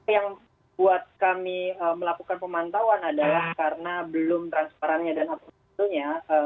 yang buat kami melakukan pemantauan adalah karena belum transparannya dan apapun